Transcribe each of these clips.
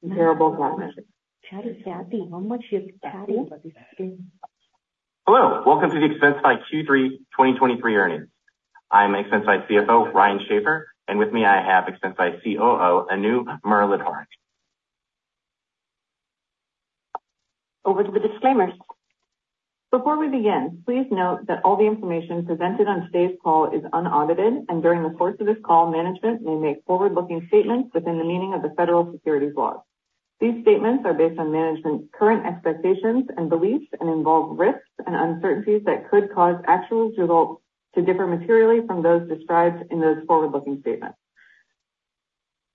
Hello, welcome to the Expensify Q3 2023 earnings. I'm Expensify CFO, Ryan Schaffer, and with me, I have Expensify COO, Anu Muralidharan. Over to the disclaimers. Before we begin, please note that all the information presented on today's call is unaudited, and during the course of this call, management may make forward-looking statements within the meaning of the federal securities laws. These statements are based on management's current expectations and beliefs and involve risks and uncertainties that could cause actual results to differ materially from those described in those forward-looking statements.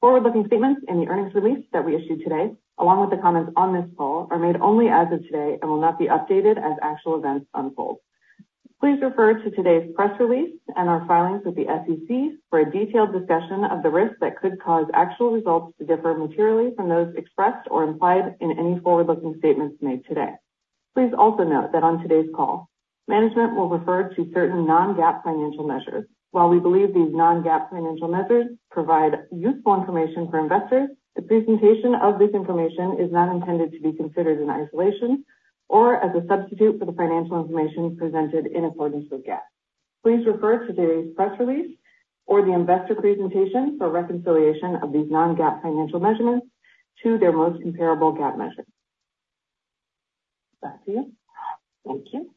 Forward-looking statements in the earnings release that we issued today, along with the comments on this call, are made only as of today and will not be updated as actual events unfold. Please refer to today's press release and our filings with the SEC for a detailed discussion of the risks that could cause actual results to differ materially from those expressed or implied in any forward-looking statements made today. Please also note that on today's call, management will refer to certain non-GAAP financial measures. While we believe these non-GAAP financial measures provide useful information for investors, the presentation of this information is not intended to be considered in isolation or as a substitute for the financial information presented in accordance with GAAP. Please refer to today's press release or the investor presentation for reconciliation of these non-GAAP financial measurements to their most comparable GAAP measures. Back to you. Thank you.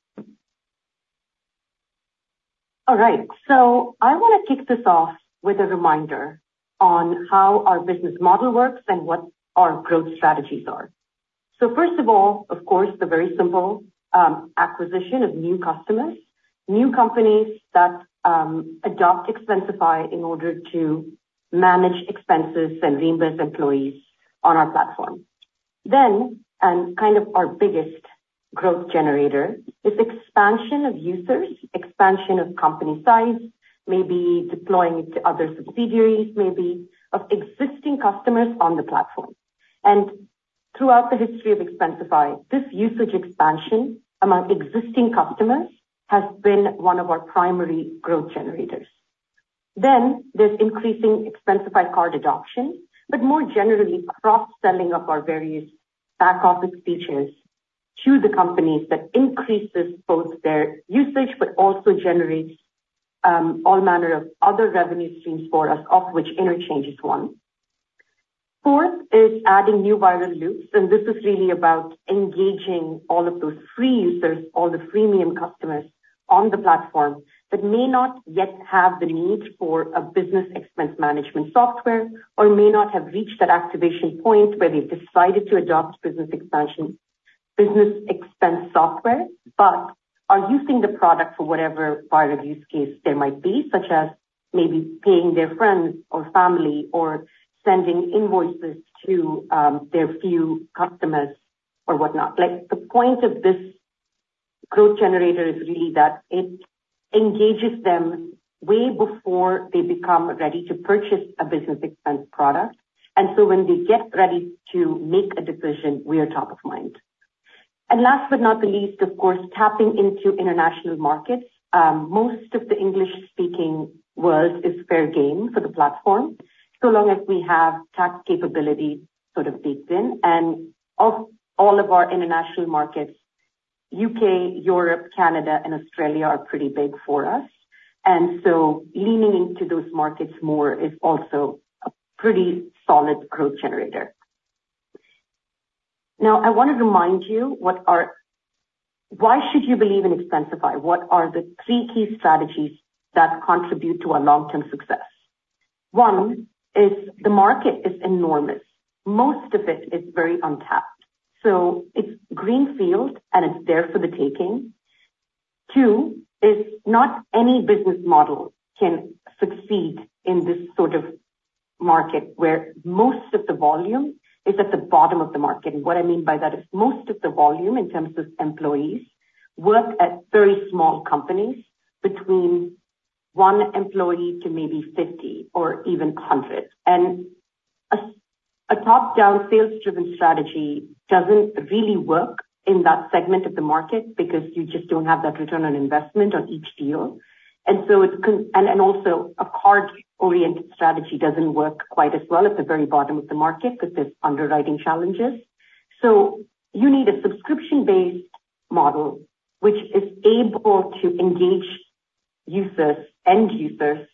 All right, so I wanna kick this off with a reminder on how our business model works and what our growth strategies are. So first of all, of course, the very simple acquisition of new customers, new companies that adopt Expensify in order to manage expenses and reimburse employees on our platform. Then, and kind of our biggest growth generator, is expansion of users, expansion of company size, maybe deploying it to other subsidiaries, maybe of existing customers on the platform. And throughout the history of Expensify, this usage expansion among existing customers has been one of our primary growth generators. Then there's increasing Expensify Card adoption, but more generally, cross-selling of our various back office features to the companies that increases both their usage but also generates all manner of other revenue streams for us, of which interchange is one. Fourth is adding new viral loops, and this is really about engaging all of those free users, all the freemium customers on the platform, that may not yet have the need for a business expense management software, or may not have reached that activation point where they've decided to adopt business expansion, business expense software, but are using the product for whatever part of use case they might be, such as maybe paying their friends or family, or sending invoices to, their few customers or whatnot. Like, the point of this growth generator is really that it engages them way before they become ready to purchase a business expense product. Last but not the least, of course, tapping into international markets. Most of the English-speaking world is fair game for the platform, so long as we have tax capability sort of baked in. Of all of our international markets, UK, Europe, Canada and Australia are pretty big for us, and so leaning into those markets more is also a pretty solid growth generator. Now, I wanna remind you, Why should you believe in Expensify? What are the three key strategies that contribute to our long-term success? One is the market is enormous. Most of it is very untapped, so it's greenfield, and it's there for the taking. Two, is not any business model can succeed in this sort of market, where most of the volume is at the bottom of the market. And what I mean by that is most of the volume, in terms of employees, work at very small companies between one employee to maybe 50 or even 100. And a top-down sales-driven strategy doesn't really work in that segment of the market because you just don't have that return on investment on each deal. And so, and also a card-oriented strategy doesn't work quite as well at the very bottom of the market because there's underwriting challenges. So you need a subscription-based model which is able to engage users, end users,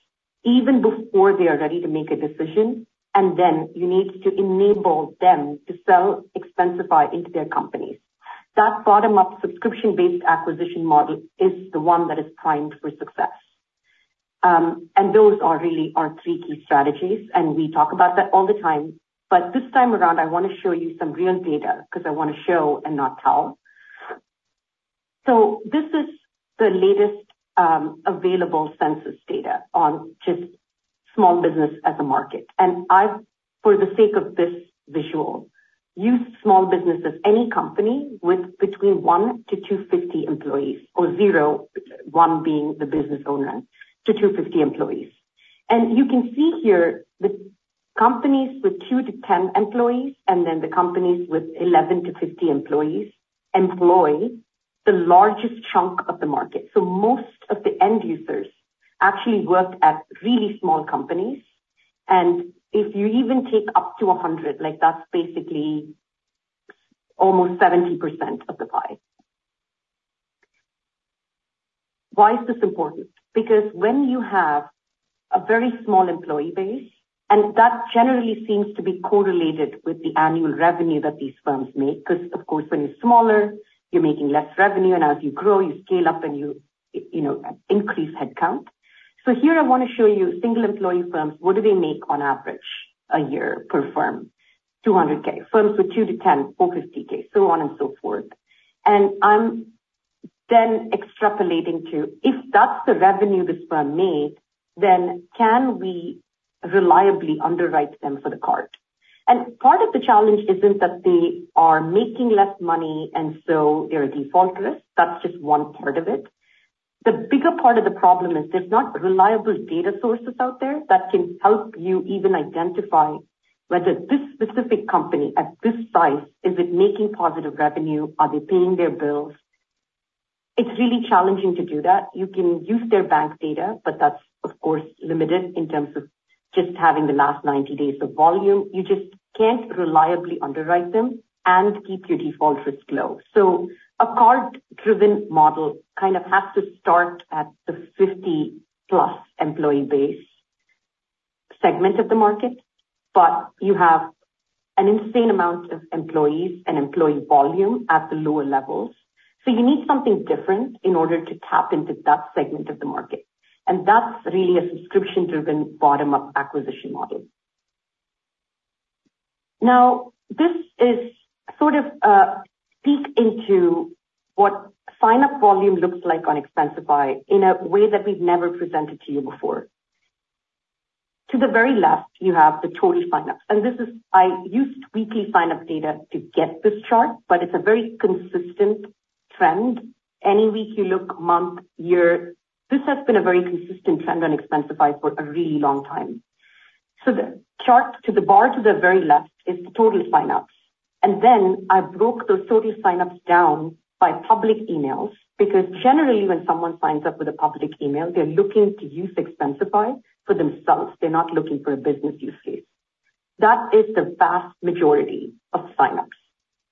even before they are ready to make a decision, and then you need to enable them to sell Expensify into their companies. That bottom-up subscription-based acquisition model is the one that is primed for success. And those are really our three key strategies, and we talk about that all the time. But this time around, I wanna show you some real data, 'cause I wanna show and not tell. So this is the latest available census data on just small business as a market. And I, for the sake of this visual, use small business as any company with between 1-250 employees or 0, 1 being the business owner to 250 employees. And you can see here the companies with 2-10 employees, and then the companies with 11-50 employees employ the largest chunk of the market. So most of the end users actually work at really small companies, and if you even take up to 100, like, that's basically almost 70% of the pie. Why is this important? Because when you have a very small employee base, and that generally seems to be correlated with the annual revenue that these firms make, 'cause, of course, when you're smaller, you're making less revenue, and as you grow, you scale up, and you, you know, increase headcount. So here I wanna show you single-employee firms, what do they make on average a year per firm? $200K. Firms with 2-10, $450K, so on and so forth. And I'm then extrapolating to, if that's the revenue this firm made, then can we reliably underwrite them for the card? And part of the challenge isn't that they are making less money, and so they're default risk, that's just one part of it. The bigger part of the problem is there's not reliable data sources out there that can help you even identify whether this specific company at this size, is it making positive revenue? Are they paying their bills? It's really challenging to do that. You can use their bank data, but that's of course, limited in terms of just having the last 90 days of volume. You just can't reliably underwrite them and keep your default risk low. So a card-driven model kind of has to start at the 50+ employee base segment of the market, but you have an insane amount of employees and employee volume at the lower levels. So you need something different in order to tap into that segment of the market, and that's really a subscription-driven bottom-up acquisition model. Now, this is sort of a peek into what sign-up volume looks like on Expensify in a way that we've never presented to you before. To the very left, you have the total signups, and this is... I used weekly signup data to get this chart, but it's a very consistent trend. Any week you look, month, year, this has been a very consistent trend on Expensify for a really long time. So the chart to the bar to the very left is the total signups, and then I broke those total signups down by public emails, because generally, when someone signs up with a public email, they're looking to use Expensify for themselves. They're not looking for a business use case. That is the vast majority of signups.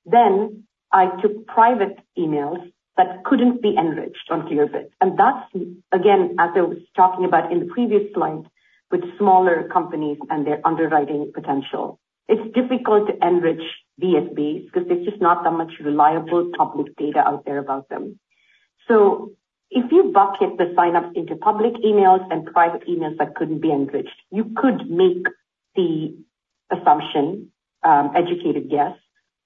Then I took private emails that couldn't be enriched on Clearbit, and that's again, as I was talking about in the previous slide, with smaller companies and their underwriting potential. It's difficult to enrich VSBs because there's just not that much reliable public data out there about them. So if you bucket the signups into public emails and private emails that couldn't be enriched, you could make the assumption, educated guess,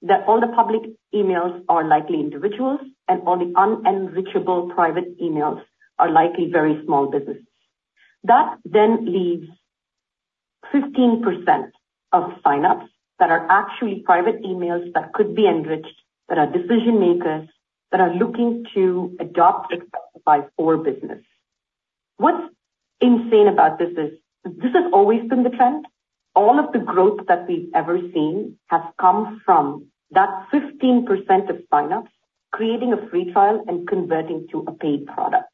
that all the public emails are likely individuals, and all the unenrichable private emails are likely very small businesses. That then leaves 15% of signups that are actually private emails that could be enriched, that are decision-makers, that are looking to adopt Expensify for business. What's insane about this is, this has always been the trend. All of the growth that we've ever seen has come from that 15% of signups, creating a free trial and converting to a paid product.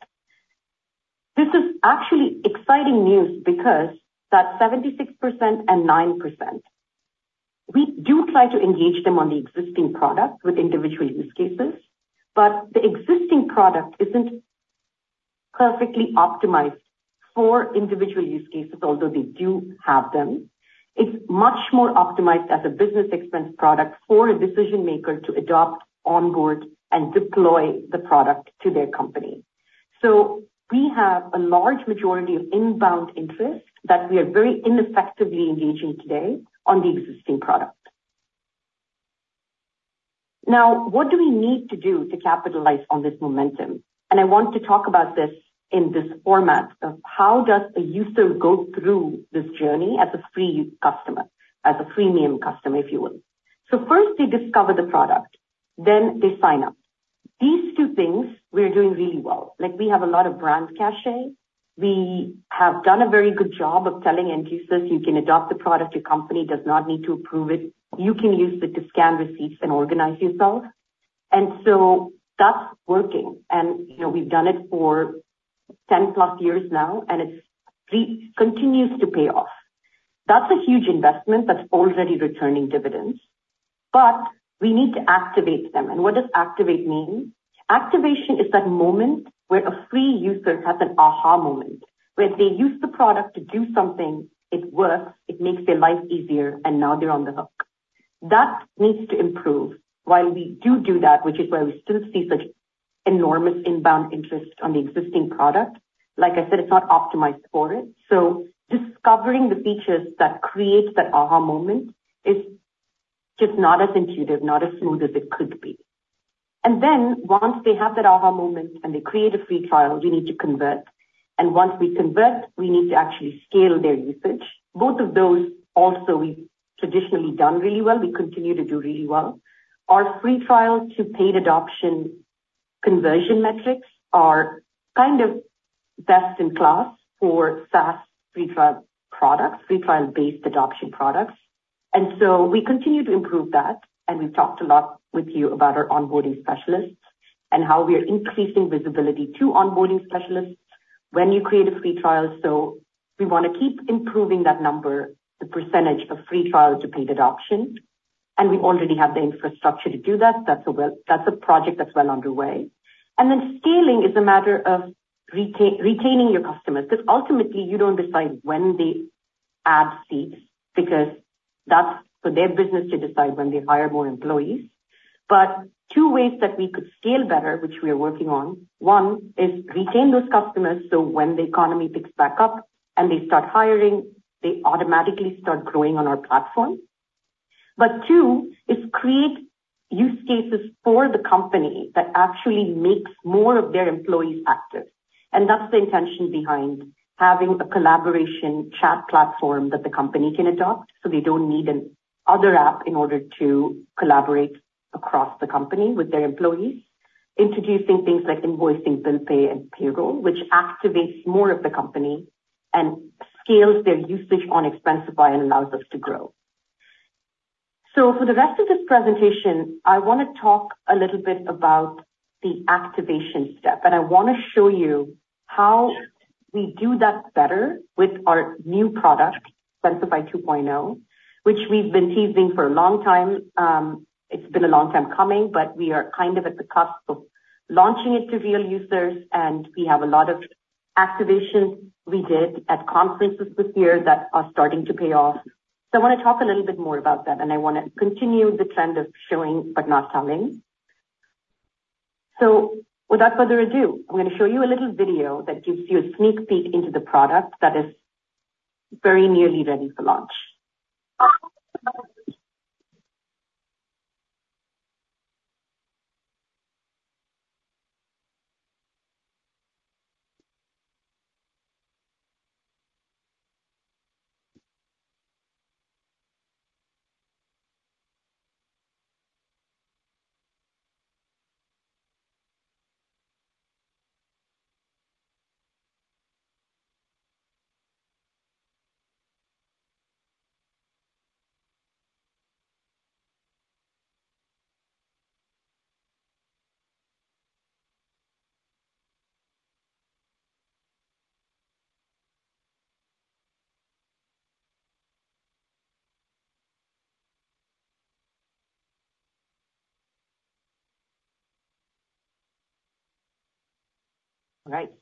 This is actually exciting news because that 76% and 9%, we do try to engage them on the existing product with individual use cases, but the existing product isn't perfectly optimized for individual use cases, although they do have them. It's much more optimized as a business expense product for a decision-maker to adopt, onboard, and deploy the product to their company. So we have a large majority of inbound interest that we are very ineffectively engaging today on the existing product. Now, what do we need to do to capitalize on this momentum? And I want to talk about this in this format of how does a user go through this journey as a free customer, as a freemium customer, if you will. So first, they discover the product, then they sign up. These two things we are doing really well. Like, we have a lot of brand cachet. We have done a very good job of telling end users, "You can adopt the product. Your company does not need to approve it. You can use it to scan receipts and organize yourself." And so that's working, and, you know, we've done it for 10+ years now, and it's continues to pay off. That's a huge investment that's already returning dividends, but we need to activate them. And what does activate mean? Activation is that moment where a free user has an aha moment, where they use the product to do something, it works, it makes their life easier, and now they're on the hook. That needs to improve. While we do do that, which is why we still see such enormous inbound interest on the existing product, like I said, it's not optimized for it. So discovering the features that create that aha moment is just not as intuitive, not as smooth as it could be. And then once they have that aha moment and they create a free trial, we need to convert, and once we convert, we need to actually scale their usage. Both of those also, we've traditionally done really well. We continue to do really well. Our free trial to paid adoption conversion metrics are kind of best in class for SaaS free trial products, free trial-based adoption products. And so we continue to improve that, and we've talked a lot with you about our onboarding specialists and how we are increasing visibility to onboarding specialists when you create a free trial. So we wanna keep improving that number, the percentage of free trial to paid adoption, and we already have the infrastructure to do that. That's a project that's well underway. And then scaling is a matter of retaining your customers, because ultimately you don't decide when they add seats, because that's for their business to decide when they hire more employees. Two ways that we could scale better, which we are working on: one is retain those customers, so when the economy picks back up and they start hiring, they automatically start growing on our platform. Two is create use cases for the company that actually makes more of their employees active. That's the intention behind having a collaboration chat platform that the company can adopt, so they don't need another app in order to collaborate across the company with their employees. Introducing things like invoicing, bill pay, and payroll, which activates more of the company and scales their usage on Expensify and allows us to grow. So for the rest of this presentation, I wanna talk a little bit about the activation step, and I wanna show you how we do that better with our new product, Expensify 2.0, which we've been teasing for a long time. It's been a long time coming, but we are kind of at the cusp of launching it to real users, and we have a lot of activation we did at conferences this year that are starting to pay off. So I wanna talk a little bit more about that, and I wanna continue the trend of showing but not telling. So without further ado, I'm gonna show you a little video that gives you a sneak peek into the product that is very nearly ready for launch. All right.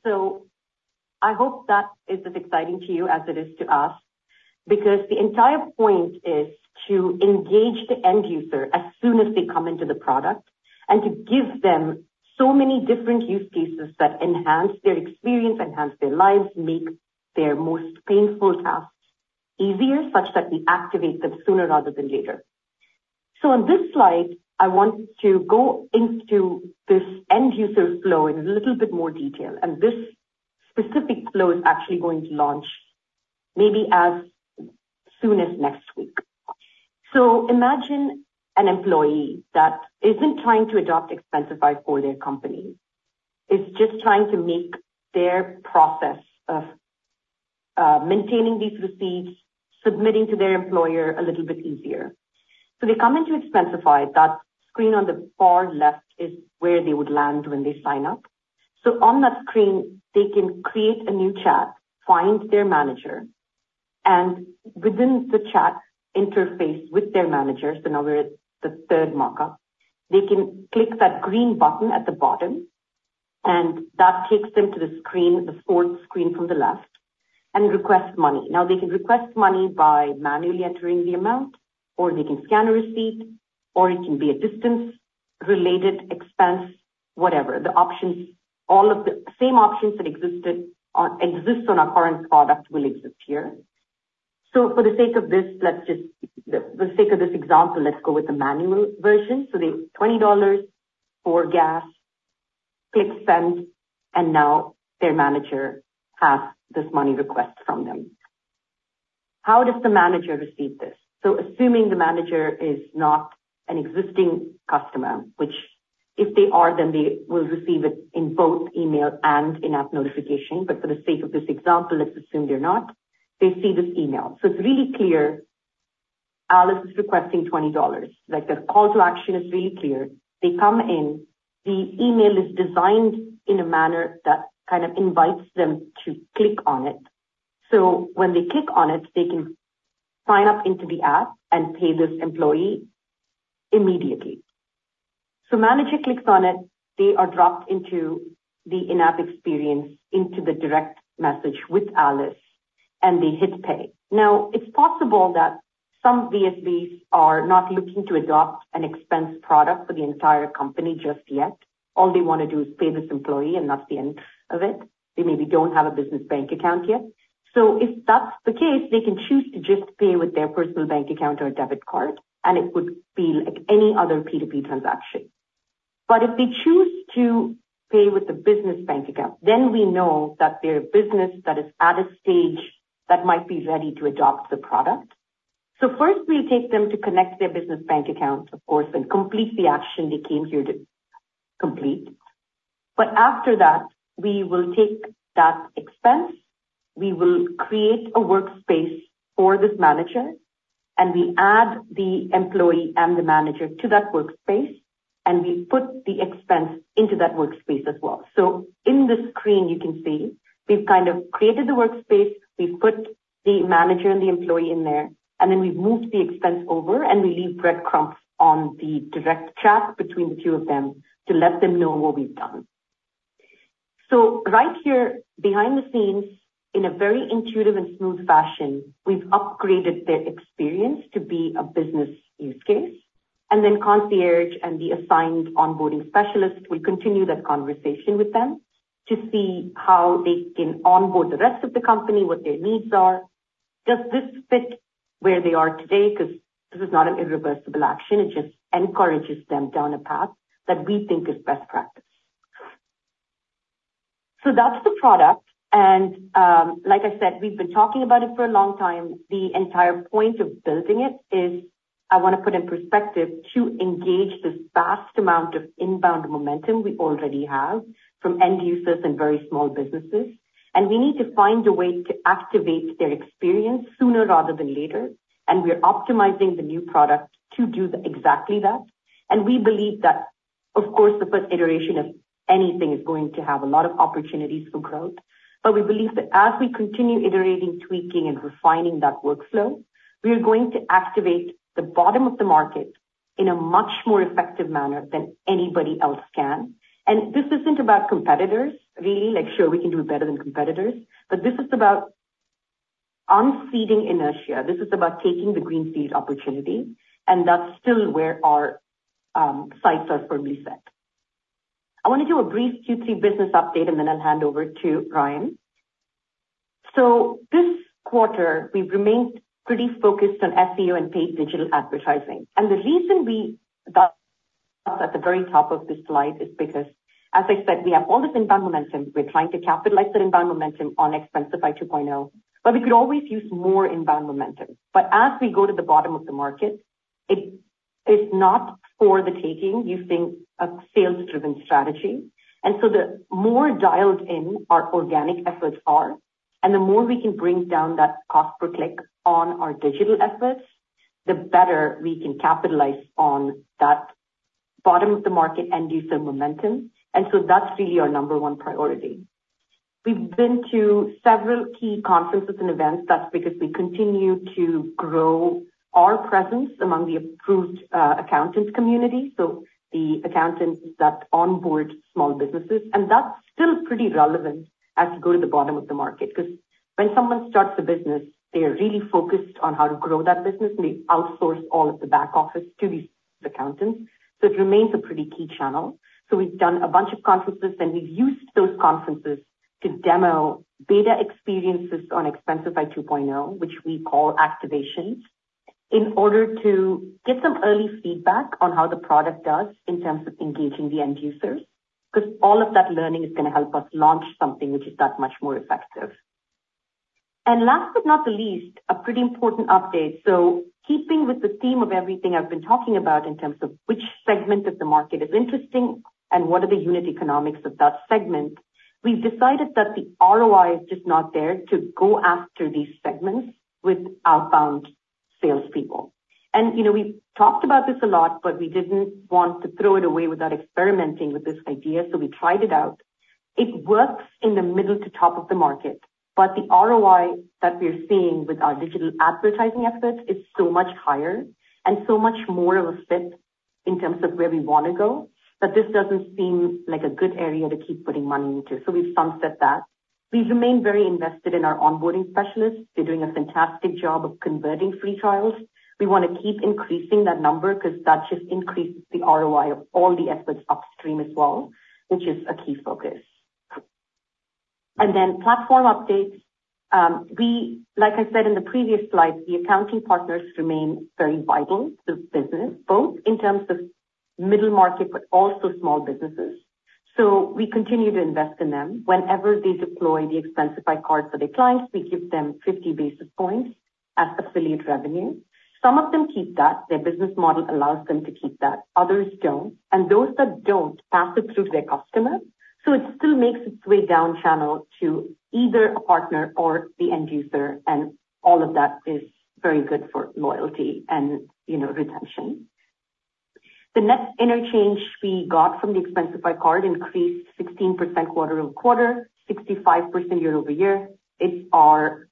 So I hope that is as exciting to you as it is to us, because the entire point is to engage the end user as soon as they come into the product, and to give them so many different use cases that enhance their experience, enhance their lives, make their most painful tasks easier, such that we activate them sooner rather than later. So on this slide, I want to go into this end user flow in a little bit more detail, and this specific flow is actually going to launch maybe as soon as next week. So imagine an employee that isn't trying to adopt Expensify for their company, is just trying to make their process of maintaining these receipts, submitting to their employer, a little bit easier. So they come into Expensify. That screen on the far left is where they would land when they sign up. So on that screen, they can create a new chat, find their manager, and within the chat interface with their manager, so now we're at the third mock-up, they can click that green button at the bottom, and that takes them to the screen, the fourth screen from the left, and request money. Now, they can request money by manually entering the amount, or they can scan a receipt, or it can be a distance-related expense, whatever. The options, all of the same options that existed on-- exists on our current product will exist here. So for the sake of this, let's just, the sake of this example, let's go with the manual version. So they... $20 for gas, click Send, and now their manager has this money request from them. How does the manager receive this? Assuming the manager is not an existing customer, which, if they are, then they will receive it in both email and in-app notification. But for the sake of this example, let's assume they're not. They see this email. So it's really clear Alice is requesting $20. Like, the call to action is really clear. They come in, the email is designed in a manner that kind of invites them to click on it. So when they click on it, they can sign up into the app and pay this employee immediately. So manager clicks on it, they are dropped into the in-app experience, into the direct message with Alice, and they hit Pay. Now, it's possible that some VSBs are not looking to adopt an expense product for the entire company just yet. All they wanna do is pay this employee, and that's the end of it. They maybe don't have a business bank account yet. So if that's the case, they can choose to just pay with their personal bank account or a debit card, and it would feel like any other P2P transaction. But if they choose to pay with the business bank account, then we know that they're a business that is at a stage that might be ready to adopt the product. So first we take them to connect their business bank accounts, of course, and complete the action they came here to complete. But after that, we will take that expense, we will create a workspace for this manager, and we add the employee and the manager to that workspace, and we put the expense into that workspace as well. So in this screen, you can see we've kind of created the workspace. We've put the manager and the employee in there, and then we've moved the expense over, and we leave breadcrumbs on the direct chat between the two of them to let them know what we've done. So right here, behind the scenes, in a very intuitive and smooth fashion, we've upgraded their experience to be a business use case, and then Concierge and the assigned onboarding specialist will continue that conversation with them to see how they can onboard the rest of the company, what their needs are. Does this fit where they are today? Because this is not an irreversible action. It just encourages them down a path that we think is best practice. So that's the product, and, like I said, we've been talking about it for a long time. The entire point of building it is, I wanna put in perspective, to engage this vast amount of inbound momentum we already have from end users and very small businesses. And we need to find a way to activate their experience sooner rather than later, and we're optimizing the new product to do exactly that. And we believe that, of course, the first iteration of anything is going to have a lot of opportunities for growth. But we believe that as we continue iterating, tweaking, and refining that workflow, we are going to activate the bottom of the market in a much more effective manner than anybody else can. And this isn't about competitors, really. Like, sure, we can do better than competitors, but this is about unseeding inertia. This is about taking the greenfield opportunity, and that's still where our sights are firmly set. I wanna do a brief Q3 business update, and then I'll hand over to Ryan. So this quarter, we've remained pretty focused on SEO and paid digital advertising. And the reason we got at the very top of this slide is because, as I said, we have all this inbound momentum. We're trying to capitalize that inbound momentum on Expensify 2.0, but we could always use more inbound momentum. But as we go to the bottom of the market, it is not for the taking using a sales-driven strategy. And so the more dialed in our organic efforts are, and the more we can bring down that cost per click on our digital efforts, the better we can capitalize on that bottom of the market and user momentum. And so that's really our number one priority. We've been to several key conferences and events. That's because we continue to grow our presence among the approved, accountants community, so the accountants that onboard small businesses, and that's still pretty relevant as you go to the bottom of the market. 'Cause when someone starts a business, they are really focused on how to grow that business, and they outsource all of the back office to these accountants. So it remains a pretty key channel. So we've done a bunch of conferences, and we've used those conferences to demo beta experiences on Expensify 2.0, which we call activations, in order to get some early feedback on how the product does in terms of engaging the end users. 'Cause all of that learning is gonna help us launch something which is that much more effective. And last but not the least, a pretty important update. So keeping with the theme of everything I've been talking about in terms of which segment of the market is interesting and what are the unit economics of that segment, we've decided that the ROI is just not there to go after these segments with outbound salespeople. And, you know, we've talked about this a lot, but we didn't want to throw it away without experimenting with this idea, so we tried it out. It works in the middle to top of the market, but the ROI that we're seeing with our digital advertising efforts is so much higher and so much more of a fit in terms of where we wanna go, that this doesn't seem like a good area to keep putting money into. So we've sunset that. We've remained very invested in our onboarding specialists. They're doing a fantastic job of converting free trials. We wanna keep increasing that number 'cause that just increases the ROI of all the efforts upstream as well, which is a key focus. And then platform updates. Like I said in the previous slide, the accounting partners remain very vital to business, both in terms of middle market but also small businesses, so we continue to invest in them. Whenever they deploy the Expensify Card for their clients, we give them 50 basis points as affiliate revenue. Some of them keep that. Their business model allows them to keep that. Others don't, and those that don't, pass it through to their customers, so it still makes its way down channel to either a partner or the end user, and all of that is very good for loyalty and, you know, retention. The net interchange we got from the Expensify Card increased 16% quarter-over-quarter, 65% year-over-year. It's our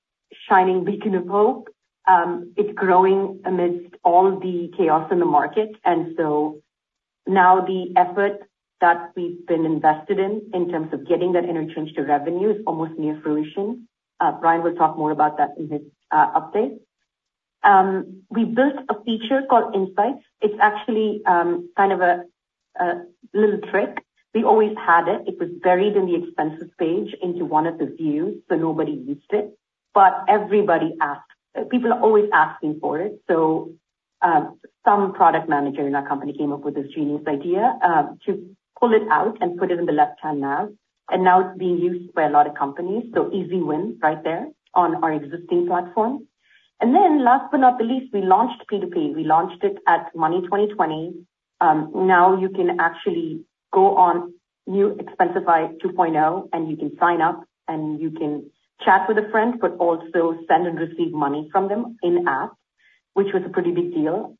shining beacon of hope. It's growing amidst all the chaos in the market. And so now the effort that we've been invested in, in terms of getting that interchange to revenue, is almost near fruition. Ryan will talk more about that in his update. We built a feature called Insights. It's actually kind of a little trick. We always had it. It was buried in the Expenses page into one of the views, so nobody used it, but everybody asked. People are always asking for it. So, some product manager in our company came up with this genius idea, to pull it out and put it in the left-hand nav, and now it's being used by a lot of companies, so easy win right there on our existing platform.... And then last but not the least, we launched P2P. We launched it at Money20/20. Now you can actually go on New Expensify 2.0, and you can sign up, and you can chat with a friend, but also send and receive money from them in app, which was a pretty big deal.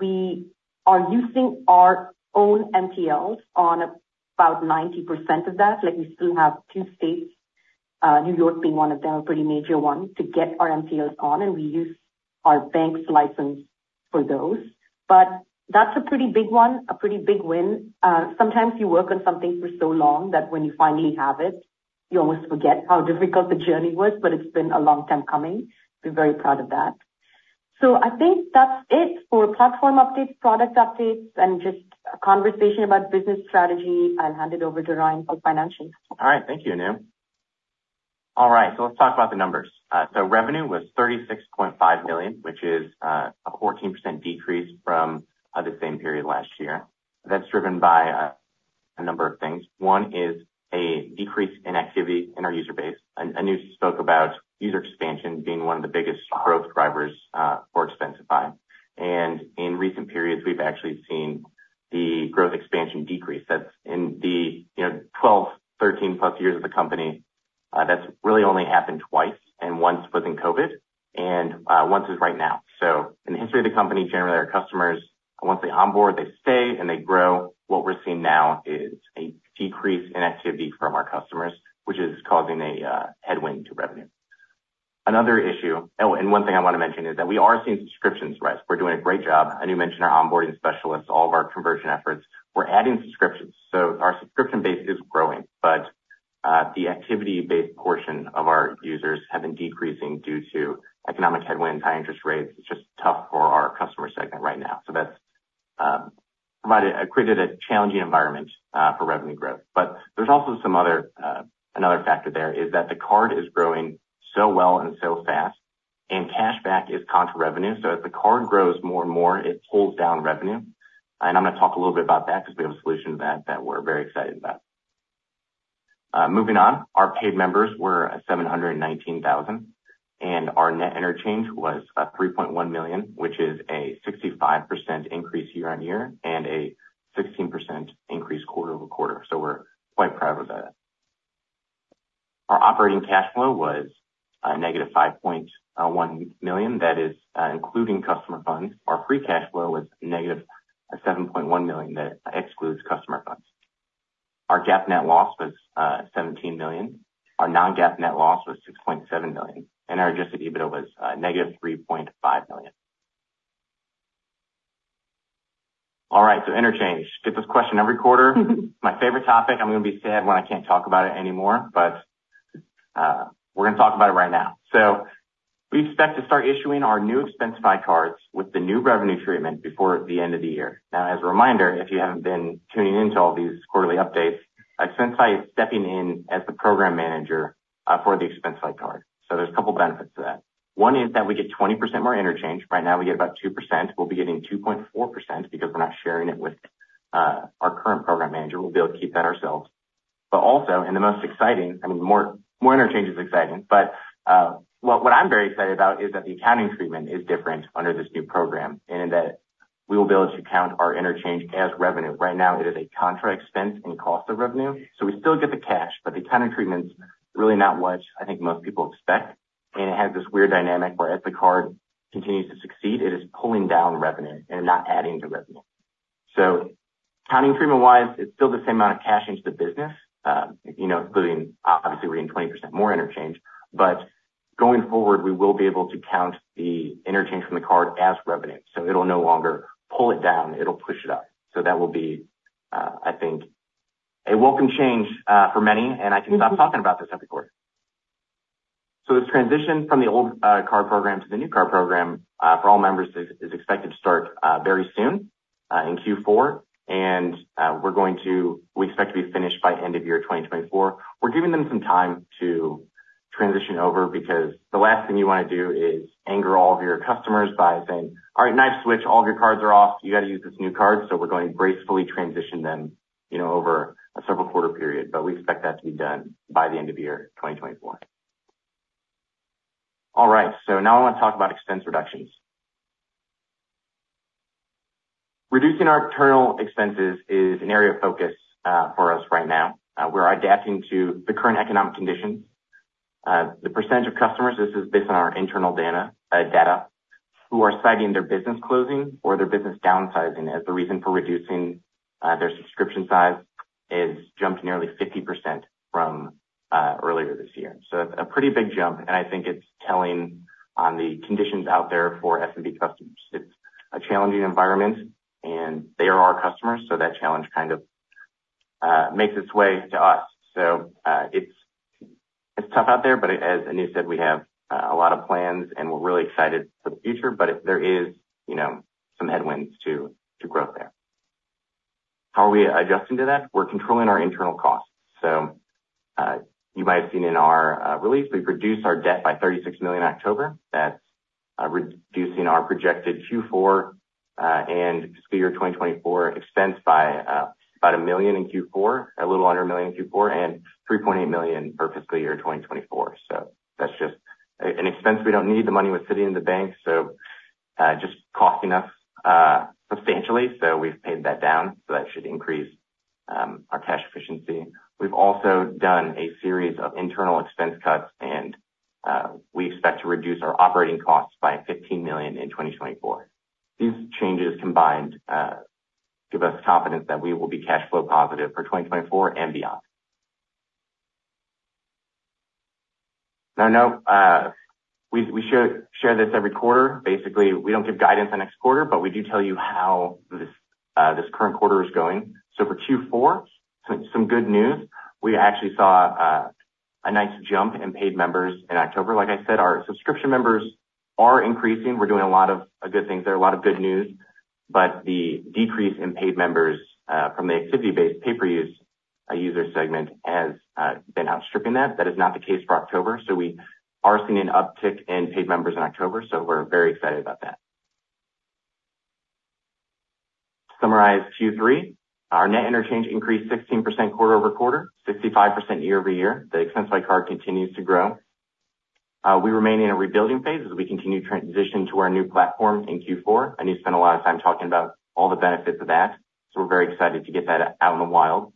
We are using our own MTLs on about 90% of that. Like, we still have two states, New York being one of them, a pretty major one, to get our MTLs on, and we use our bank's license for those. But that's a pretty big one, a pretty big win. Sometimes you work on something for so long that when you finally have it, you almost forget how difficult the journey was, but it's been a long time coming. We're very proud of that. So I think that's it for platform updates, product updates, and just a conversation about business strategy. I'll hand it over to Ryan for financials. All right. Thank you, Anu. All right, so let's talk about the numbers. So revenue was $36.5 billion, which is a 14% decrease from the same period last year. That's driven by a number of things. One is a decrease in activity in our user base. Anu spoke about user expansion being one of the biggest growth drivers for Expensify. And in recent periods, we've actually seen the growth expansion decrease. That's in the, you know, 12, 13+ years of the company, that's really only happened twice, and once was in COVID, and once is right now. So in the history of the company, generally, our customers, once they onboard, they stay, and they grow. What we're seeing now is a decrease in activity from our customers, which is causing a headwind to revenue. Another issue... Oh, and one thing I want to mention is that we are seeing subscriptions rise. We're doing a great job. Anu mentioned our onboarding specialists, all of our conversion efforts. We're adding subscriptions, so our subscription base is growing, but the activity-based portion of our users have been decreasing due to economic headwinds, high interest rates. It's just tough for our customer segment right now. So that's created a challenging environment for revenue growth. But there's also another factor there, is that the card is growing so well and so fast, and cashback is contra revenue. So as the card grows more and more, it pulls down revenue. And I'm going to talk a little bit about that, because we have a solution to that, that we're very excited about. Moving on, our paid members were at 719,000, and our net interchange was $3.1 million, which is a 65% increase year-over-year, and a 16% increase quarter-over-quarter. So we're quite proud of that. Our operating cash flow was -$5.1 million, that is, including customer funds. Our free cash flow was -$7.1 million, that excludes customer funds. Our GAAP net loss was $17 million. Our non-GAAP net loss was $6.7 million, and our adjusted EBITDA was -$3.5 million. All right, so interchange. Get this question every quarter. My favorite topic, I'm going to be sad when I can't talk about it anymore, but, we're going to talk about it right now. So we expect to start issuing our new Expensify Card with the new revenue treatment before the end of the year. Now, as a reminder, if you haven't been tuning in to all these quarterly updates, Expensify is stepping in as the program manager for the Expensify Card. So there's a couple benefits to that. One is that we get 20% more interchange. Right now, we get about 2%. We'll be getting 2.4% because we're not sharing it with our current program manager. We'll be able to keep that ourselves. But also, and the most exciting, I mean, more, more interchange is exciting, but what I'm very excited about is that the accounting treatment is different under this new program, and that we will be able to count our interchange as revenue. Right now, it is a contra expense and cost of revenue, so we still get the cash, but the accounting treatment's really not what I think most people expect, and it has this weird dynamic where as the card continues to succeed, it is pulling down revenue and not adding to revenue. So accounting treatment-wise, it's still the same amount of cash into the business, you know, including obviously we're getting 20% more interchange, but going forward, we will be able to count the interchange from the card as revenue, so it'll no longer pull it down, it'll push it up. So that will be, I think, a welcome change, for many, and I can stop talking about this every quarter. So this transition from the old card program to the new card program for all members is expected to start very soon in Q4. And we're going to expect to be finished by end of 2024. We're giving them some time to transition over, because the last thing you want to do is anger all of your customers by saying, "All right, nice switch. All of your cards are off. You got to use this new card." So we're going to gracefully transition them, you know, over a several quarter period, but we expect that to be done by the end of 2024. All right, so now I want to talk about expense reductions. Reducing our internal expenses is an area of focus for us right now. We're adapting to the current economic conditions. The percentage of customers, this is based on our internal data, who are citing their business closing or their business downsizing as the reason for reducing their subscription size, has jumped nearly 50% from earlier this year. So a pretty big jump, and I think it's telling on the conditions out there for SMB customers. It's a challenging environment, and they are our customers, so that challenge kind of makes its way to us. So it's tough out there, but as Anu said, we have a lot of plans, and we're really excited for the future. But there is, you know, some headwinds to growth there. How are we adjusting to that? We're controlling our internal costs. So you might have seen in our release, we've reduced our debt by $36 million in October. That's reducing our projected Q4 and fiscal year 2024 expense by about $1 million in Q4, a little under $1 million in Q4, and $3.8 million for fiscal year 2024. So that's just an expense we don't need. The money was sitting in the bank, so just costing us substantially. So we've paid that down, so that should increase our cash efficiency. We've also done a series of internal expense cuts, and we expect to reduce our operating costs by $15 million in 2024. These changes combined give us confidence that we will be cash flow positive for 2024 and beyond. No, we share this every quarter. Basically, we don't give guidance on next quarter, but we do tell you how this current quarter is going. So for Q4, some good news, we actually saw a nice jump in paid members in October. Like I said, our subscription members are increasing. We're doing a lot of good things there, a lot of good news. But the decrease in paid members from the activity-based pay-per-use user segment has been outstripping that. That is not the case for October, so we are seeing an uptick in paid members in October, so we're very excited about that. Summarize Q3, our net interchange increased 16% quarter-over-quarter, 65% year-over-year. The Expensify Card continues to grow. We remain in a rebuilding phase as we continue to transition to our new platform in Q4. I need to spend a lot of time talking about all the benefits of that, so we're very excited to get that out in the wild.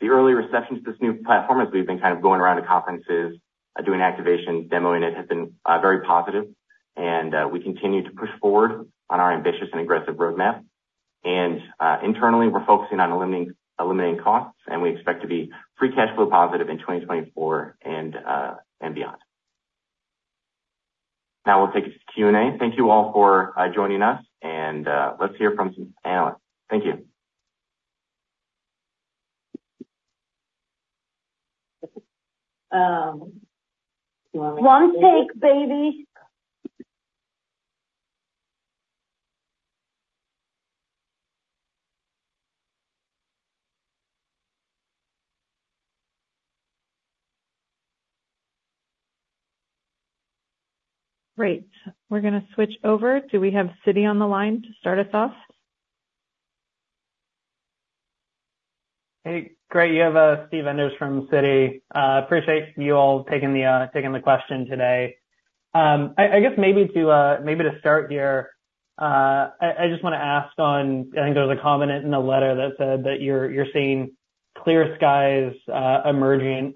The early reception to this new platform, as we've been kind of going around to conferences, doing activations, demoing it, has been very positive, and we continue to push forward on our ambitious and aggressive roadmap. Internally, we're focusing on eliminating costs, and we expect to be free cash flow positive in 2024 and beyond. Now we'll take it to Q&A. Thank you all for joining us, and let's hear from some analysts. Thank you. One take, baby. Great. We're gonna switch over. Do we have Citi on the line to start us off? Hey, great. You have Steve Enders from Citi. Appreciate you all taking the question today. I guess maybe to start here, I just wanna ask on—I think there was a comment in the letter that said that you're seeing clear skies emerging.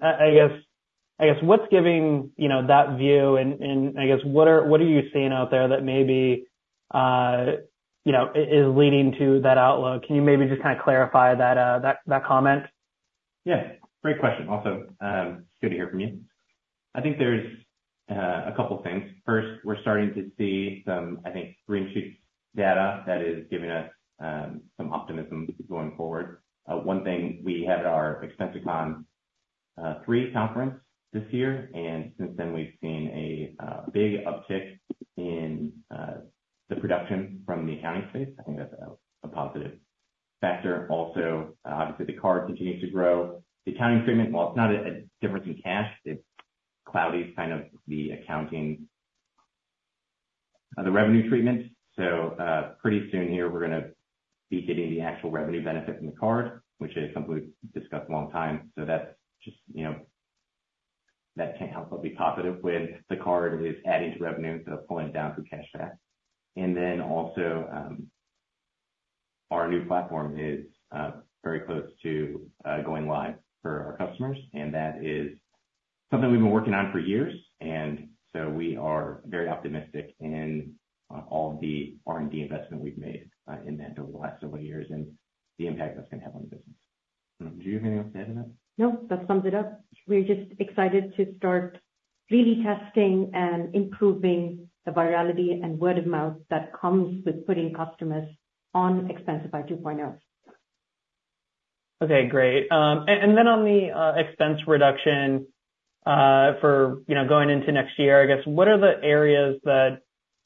I guess what's giving, you know, that view? And I guess what are you seeing out there that maybe, you know, is leading to that outlook? Can you maybe just kind of clarify that comment? Yeah, great question. Also, good to hear from you. I think there's a couple things. First, we're starting to see some, I think, green shoot data that is giving us some optimism going forward. One thing, we had our ExpensiCon 3 conference this year, and since then, we've seen a big uptick in the production from the accounting space. I think that's a positive factor. Also, obviously, the card continues to grow. The accounting treatment, while it's not a difference in cash, it's cloudy is kind of the accounting the revenue treatment. So, pretty soon here, we're gonna be getting the actual revenue benefit from the card, which is something we discussed a long time. So that's just, you know, that can't help but be positive when the card is adding to revenue, instead of pulling down through cashback. And then also, our new platform is very close to going live for our customers, and that is something we've been working on for years, and so we are very optimistic in all the R&D investment we've made in that over the last several years and the impact that's gonna have on the business. Do you have anything else to add to that? No, that sums it up. We're just excited to start really testing and improving the virality and word of mouth that comes with putting customers on Expensify 2.0. Okay, great. And then on the expense reduction, for, you know, going into next year, I guess, what are the areas that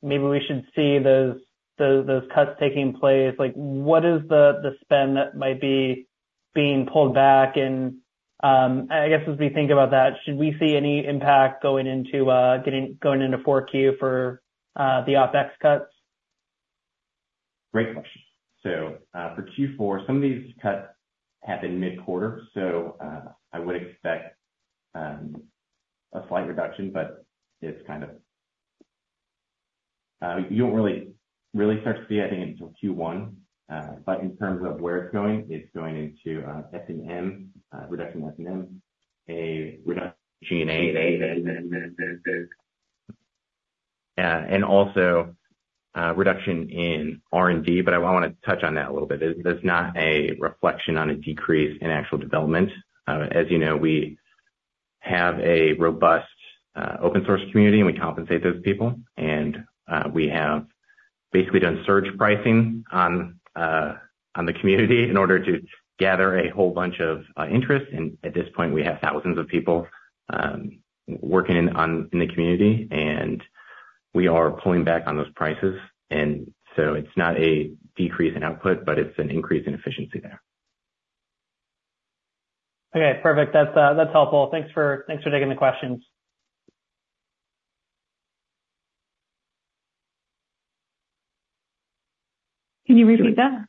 maybe we should see those, those, those cuts taking place? Like, what is the, the spend that might be being pulled back? And, I guess, as we think about that, should we see any impact going into Q4 for the OpEx cuts? Great question. So, for Q4, some of these cuts happened mid-quarter, so, I would expect a slight reduction, but it's kind of... You don't really, really start to see, I think, until Q1. But in terms of where it's going, it's going into S&M, reduction in S&M, a reduction in G&A. And also, reduction in R&D, but I want to touch on that a little bit. There's not a reflection on a decrease in actual development. As you know, we have a robust open source community, and we compensate those people. And we have basically done surge pricing on the community in order to gather a whole bunch of interest. And at this point, we have thousands of people working in the community, and we are pulling back on those prices. It's not a decrease in output, but it's an increase in efficiency there.... Okay, perfect. That's, that's helpful. Thanks for, thanks for taking the questions. Can you repeat that?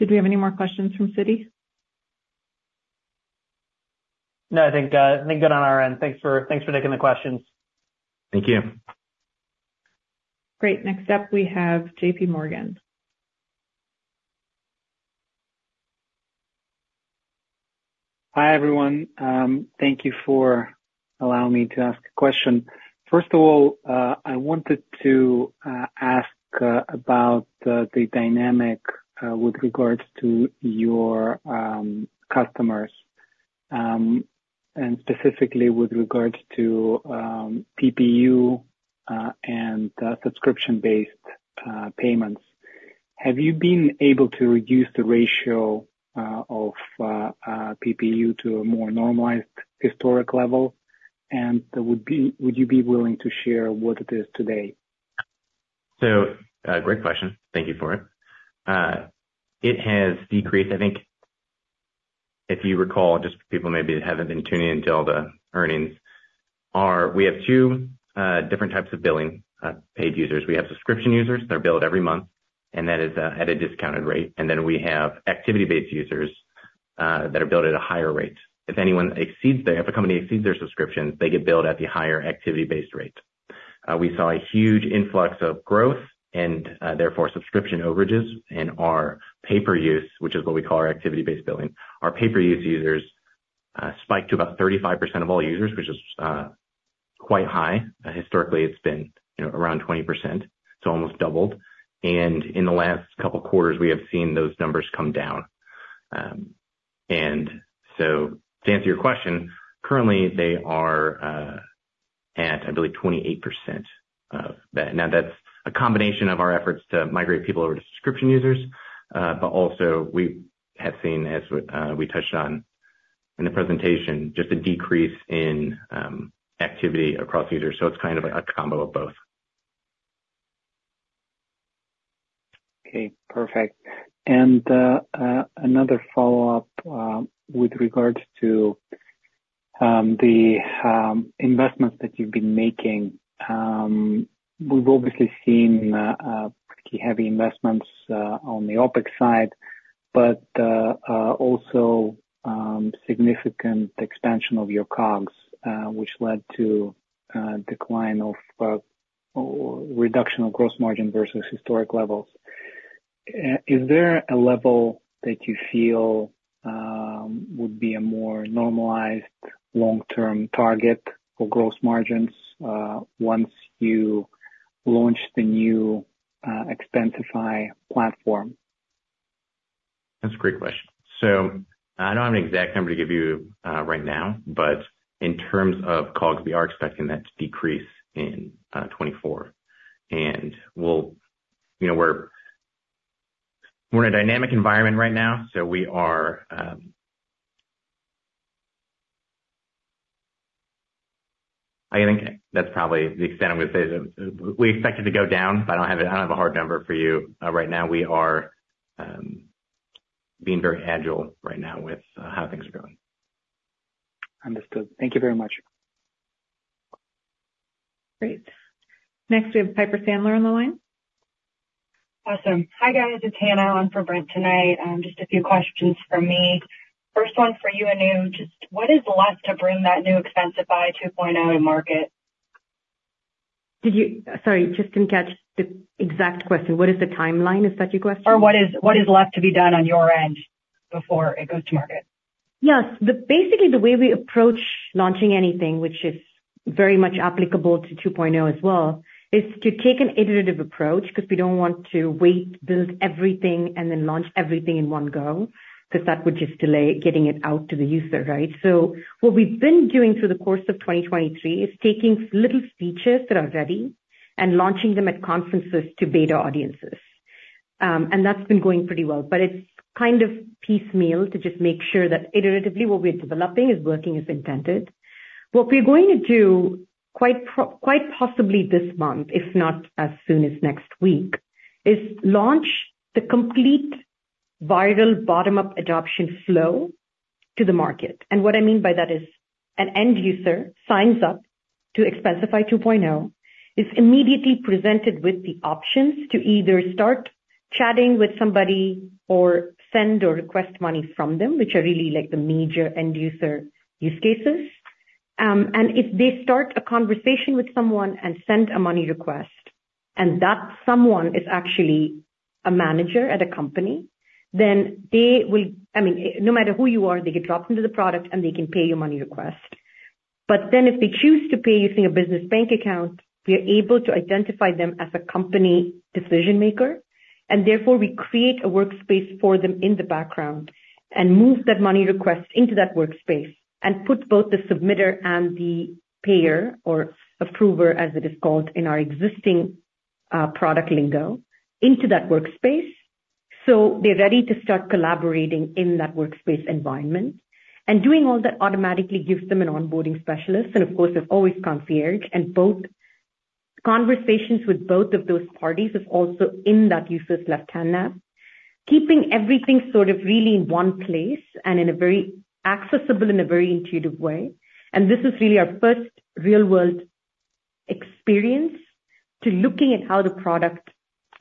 Did we have any more questions from Citi? No, I think, I think good on our end. Thanks for taking the questions. Thank you. Great. Next up, we have JP Morgan. Hi, everyone. Thank you for allowing me to ask a question. First of all, I wanted to ask about the dynamic with regards to your customers and specifically with regards to PPU and subscription-based payments. Have you been able to reduce the ratio of PPU to a more normalized historic level? And would you be willing to share what it is today? So, great question. Thank you for it. It has decreased. I think if you recall, just people maybe haven't been tuning in to all the earnings, we have two, different types of billing, paid users. We have subscription users, they're billed every month, and that is, at a discounted rate. And then we have activity-based users, that are billed at a higher rate. If anyone exceeds, if a company exceeds their subscription, they get billed at the higher activity-based rate. We saw a huge influx of growth and, therefore, subscription overages in our pay-per-use, which is what we call our activity-based billing. Our pay-per-use users, spiked to about 35% of all users, which is, quite high. Historically, it's been, you know, around 20%, so almost doubled. In the last couple of quarters, we have seen those numbers come down. So to answer your question, currently, they are at, I believe, 28% of that. Now, that's a combination of our efforts to migrate people over to subscription users, but also we have seen, as we touched on in the presentation, just a decrease in activity across users. So it's kind of a combo of both. Okay, perfect. And another follow-up with regards to the investments that you've been making. We've obviously seen pretty heavy investments on the OpEx side, but also significant expansion of your COGS, which led to a decline or reduction of gross margin versus historic levels. Is there a level that you feel would be a more normalized long-term target for gross margins once you launch the new Expensify platform? That's a great question. So I don't have an exact number to give you right now, but in terms of COGS, we are expecting that to decrease in 2024. And we'll. You know, we're in a dynamic environment right now, so we are. I think that's probably the extent I'm going to say. We expect it to go down, but I don't have a hard number for you. Right now, we are being very agile right now with how things are going. Understood. Thank you very much. Great. Next, we have Piper Sandler on the line. Awesome. Hi, guys. It's Hannah on for Brent tonight. Just a few questions from me. First one for you, Anu. Just what is left to bring that new Expensify 2.0 to market? Sorry, just didn't catch the exact question. What is the timeline? Is that your question? Or what is, what is left to be done on your end before it goes to market? Yes. Basically, the way we approach launching anything, which is very much applicable to 2.0 as well, is to take an iterative approach because we don't want to wait, build everything, and then launch everything in one go, because that would just delay getting it out to the user, right? So what we've been doing through the course of 2023 is taking little features that are ready and launching them at conferences to beta audiences. And that's been going pretty well, but it's kind of piecemeal to just make sure that iteratively, what we're developing is working as intended. What we're going to do, quite possibly this month, if not as soon as next week, is launch the complete viral bottom-up adoption flow to the market. What I mean by that is an end user signs up to Expensify 2.0, is immediately presented with the options to either start chatting with somebody or send or request money from them, which are really like the major end user use cases. If they start a conversation with someone and send a money request, and that someone is actually a manager at a company, then they will. I mean, no matter who you are, they get dropped into the product, and they can pay your money request. But then if they choose to pay using a business bank account, we are able to identify them as a company decision maker, and therefore we create a workspace for them in the background and move that money request into that workspace and put both the submitter and the payer or approver, as it is called in our existing product lingo, into that workspace. So they're ready to start collaborating in that workspace environment. And doing all that automatically gives them an onboarding specialist and of course, there's always concierge and both conversations with both of those parties is also in that user's left-hand nav, keeping everything sort of really in one place and in a very accessible and a very intuitive way. This is really our first real-world experience to looking at how the product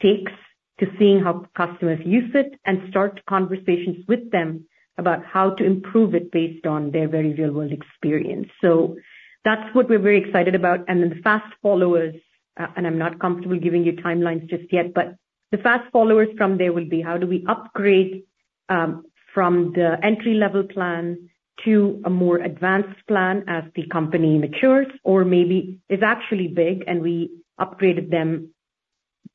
takes, to seeing how customers use it, and start conversations with them about how to improve it based on their very real-world experience. That's what we're very excited about. Then the fast followers, and I'm not comfortable giving you timelines just yet, but the fast followers from there will be how do we upgrade from the entry-level plan to a more advanced plan as the company matures, or maybe is actually big and we upgraded them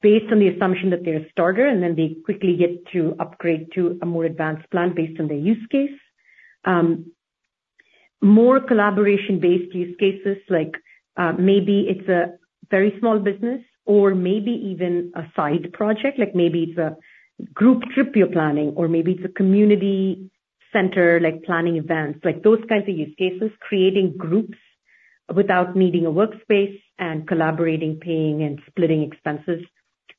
based on the assumption that they're a starter, and then they quickly get to upgrade to a more advanced plan based on their use case. More collaboration-based use cases, like, maybe it's a very small business or maybe even a side project, like maybe it's a group trip you're planning, or maybe it's a community center, like planning events, like those kinds of use cases, creating groups without needing a workspace and collaborating, paying and splitting expenses.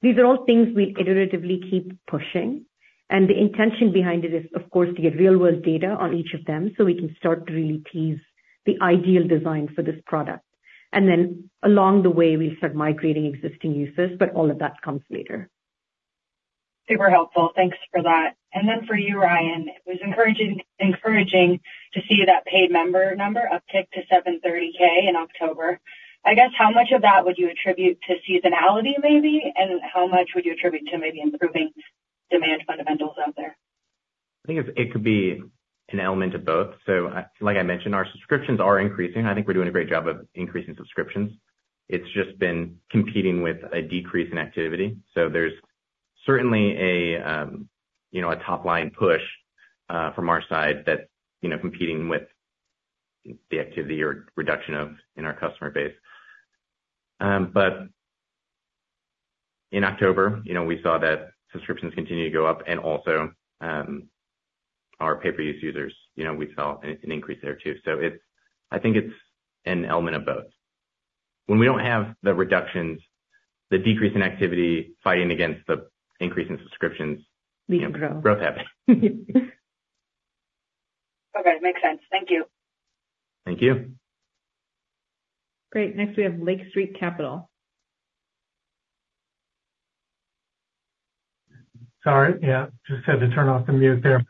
These are all things we iteratively keep pushing, and the intention behind it is, of course, to get real-world data on each of them, so we can start to really tease the ideal design for this product. And then along the way, we start migrating existing users, but all of that comes later. Super helpful. Thanks for that. And then for you, Ryan, it was encouraging, encouraging to see that paid member number uptick to 730,000 in October. I guess, how much of that would you attribute to seasonality, maybe? And how much would you attribute to maybe improving demand fundamentals out there? I think it could be an element of both. So, like I mentioned, our subscriptions are increasing. I think we're doing a great job of increasing subscriptions. It's just been competing with a decrease in activity. So there's certainly a, you know, a top-line push from our side that, you know, competing with the activity or reduction of in our customer base. But in October, you know, we saw that subscriptions continue to go up and also, our pay-per-use users, you know, we saw an increase there, too. So it's, I think it's an element of both. When we don't have the reductions, the decrease in activity fighting against the increase in subscriptions- We grow. -growth happens. Okay. Makes sense. Thank you. Thank you. Great. Next, we have Lake Street Capital. Sorry, yeah, just had to turn off the mute there.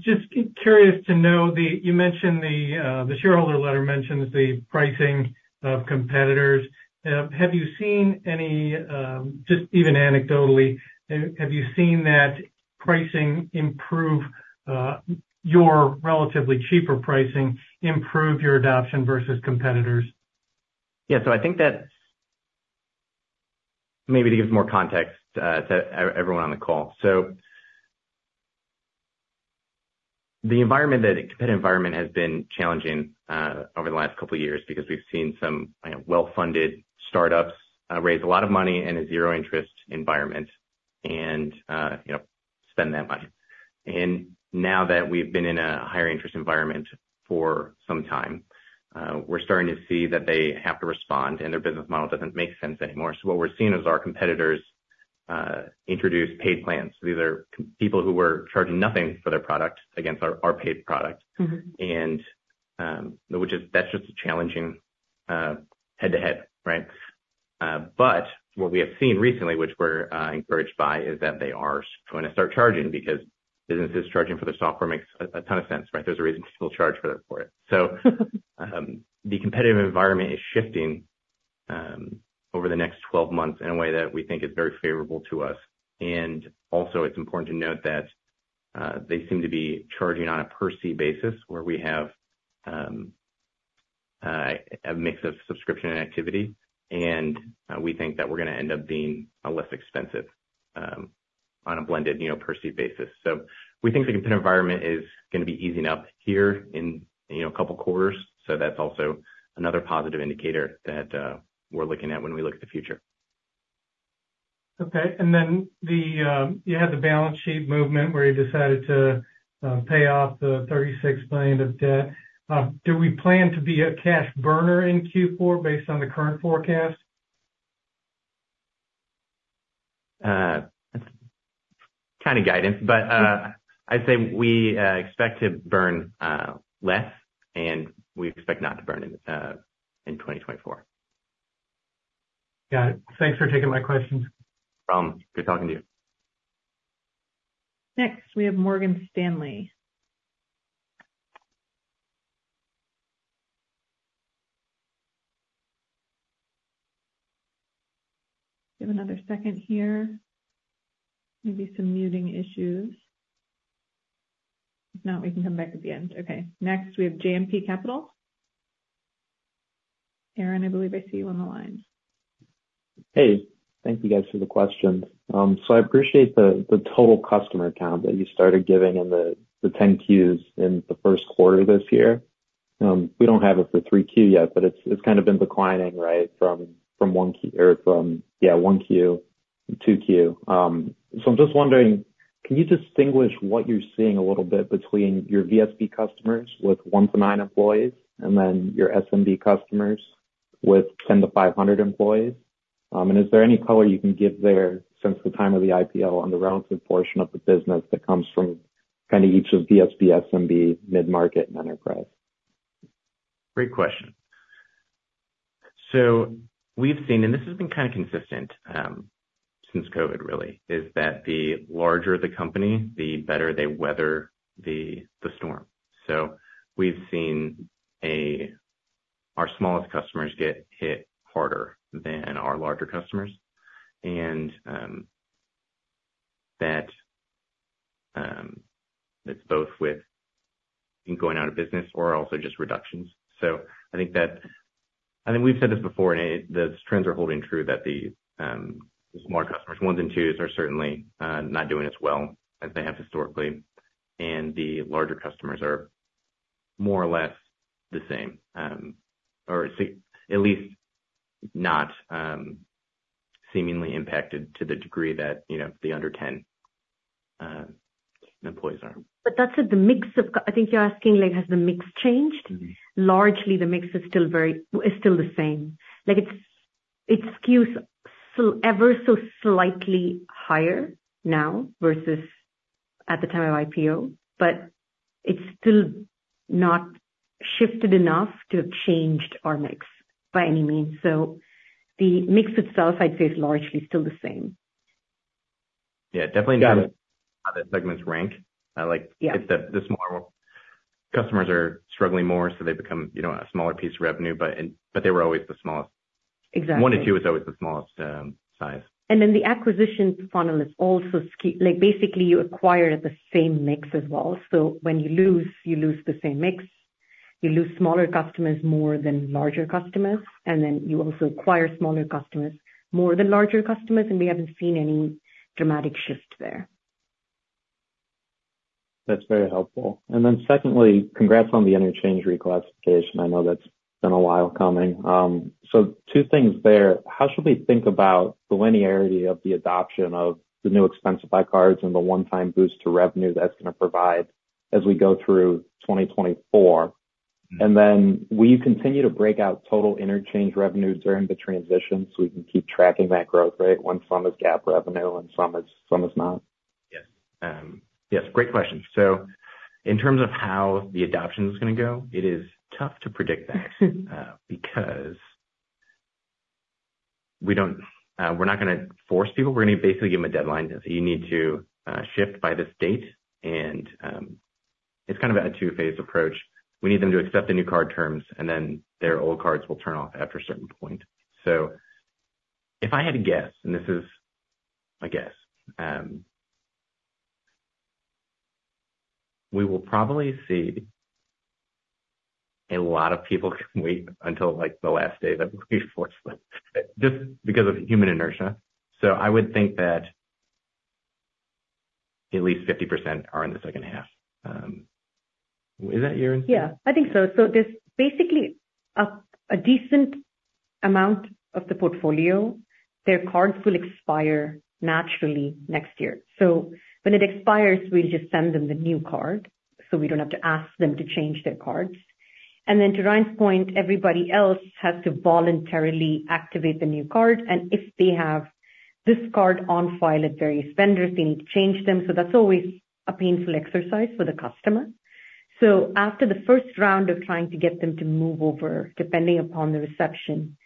Just curious to know, you mentioned the shareholder letter mentions the pricing of competitors. Have you seen any, just even anecdotally, have you seen that pricing improve your relatively cheaper pricing, improve your adoption versus competitors? Yeah, so I think that maybe to give more context to everyone on the call. So the competitive environment has been challenging over the last couple of years because we've seen some, you know, well-funded startups raise a lot of money in a zero-interest environment and, you know, spend that money. And now that we've been in a higher interest environment for some time, we're starting to see that they have to respond, and their business model doesn't make sense anymore. So what we're seeing is our competitors introduce paid plans. These are people who were charging nothing for their product against our paid product. Mm-hmm. Which is, that's just a challenging head-to-head, right? But what we have seen recently, which we're encouraged by, is that they are going to start charging because businesses charging for their software makes a ton of sense, right? There's a reason people charge for it. So, the competitive environment is shifting over the next 12 months in a way that we think is very favorable to us. And also, it's important to note that they seem to be charging on a per seat basis where we have a mix of subscription and activity, and we think that we're going to end up being a less expensive on a blended, you know, per seat basis. So we think the competitive environment is going to be easing up here in, you know, a couple quarters. That's also another positive indicator that we're looking at when we look at the future. Okay. And then you had the balance sheet movement where you decided to pay off the $36 billion of debt. Do we plan to be a cash burner in Q4 based on the current forecast? That's kind of guidance, but I'd say we expect to burn less, and we expect not to burn in 2024. Got it. Thanks for taking my questions. No problem. Good talking to you. Next, we have Morgan Stanley. Give another second here. Maybe some muting issues. If not, we can come back at the end. Okay. Next, we have JMP Capital. Aaron, I believe I see you on the line. Hey, thank you guys for the question. So I appreciate the total customer count that you started giving in the 10-Qs in the Q1 this year. We don't have it for Q3 yet, but it's kind of been declining, right? From Q1 to Q2. So I'm just wondering: Can you distinguish what you're seeing a little bit between your VSB customers with one to nine employees and then your SMB customers with 10-500 employees? And is there any color you can give there since the time of the IPO on the relative portion of the business that comes from kind of each of VSB, SMB, mid-market, and enterprise? Great question. So we've seen, and this has been kind of consistent, since COVID, really, is that the larger the company, the better they weather the storm. So we've seen our smallest customers get hit harder than our larger customers. And that it's both within going out of business or also just reductions. So I think that I think we've said this before, and the trends are holding true, that the smaller customers, ones and twos, are certainly not doing as well as they have historically, and the larger customers are more or less the same, or at least not seemingly impacted to the degree that, you know, the under 10 employees are. But that said, the mix of. I think you're asking, like, has the mix changed? Mm-hmm. Largely, the mix is still very is still the same. Like, it skews ever so slightly higher now versus at the time of IPO, but it's still not shifted enough to have changed our mix by any means. So the mix with sell-side stays largely still the same. Yeah, definitely. Got it. How the segments rank. Yeah. Like, it's that the smaller customers are struggling more, so they become, you know, a smaller piece of revenue, but they were always the smallest. Exactly. 1-2 is always the smallest size. And then the acquisition funnel is also skewed, like, basically, you acquire at the same mix as well. So when you lose, you lose the same mix. You lose smaller customers more than larger customers, and then you also acquire smaller customers more than larger customers, and we haven't seen any dramatic shift there. That's very helpful. And then secondly, congrats on the interchange reclassification. I know that's been a while coming. So two things there: How should we think about the linearity of the adoption of the new Expensify cards and the one-time boost to revenue that's gonna provide as we go through 2024? Mm. And then will you continue to break out total interchange revenue during the transition so we can keep tracking that growth rate once some is GAAP revenue and some is, some is not? Yes. Yes, great question. So in terms of how the adoption is gonna go, it is tough to predict that. Because we're not gonna force people. We're gonna basically give them a deadline. You need to shift by this date, and it's kind of a two-phase approach. We need them to accept the new card terms, and then their old cards will turn off after a certain point. So if I had to guess, and this is a guess, we will probably see a lot of people wait until, like, the last day that we force them, just because of human inertia. So I would think that at least 50% are in the second half. Is that yours? Yeah, I think so. So there's basically a decent amount of the portfolio. Their cards will expire naturally next year. So when it expires, we'll just send them the new card, so we don't have to ask them to change their cards. And then to Ryan's point, everybody else has to voluntarily activate the new card, and if they have this card on file at various vendors, they need to change them. So that's always a painful exercise for the customer. So after the first round of trying to get them to move over, depending upon the reception,